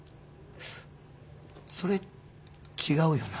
それ違うよな？